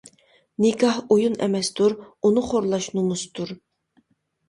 نىكاھ ئويۇن ئەمەستۇر، ئۇنى خورلاش نومۇستۇر.